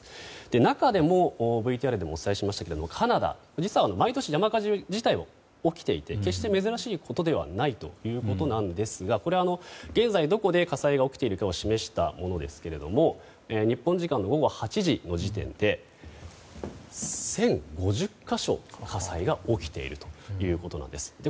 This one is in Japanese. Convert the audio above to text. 中でもＶＴＲでもお伝えしましたカナダ、実は毎年山火事自体は起きていて決して珍しいことではないということなんですがこれは現在どこで火災が起きているかを示したものですが日本時間午後８時の時点で１０５０か所で火災が起きているということなんです。